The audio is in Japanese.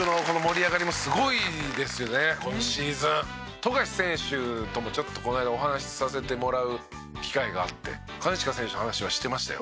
富樫選手ともちょっとこの間お話しさせてもらう機会があって金近選手の話はしてましたよ。